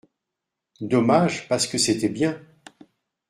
Dommage, parce que c’était bien.